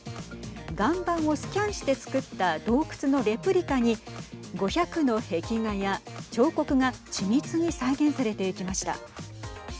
岩盤をスキャンして作った洞窟のレプリカに５００の壁画や彫刻が緻密に再現されていきました。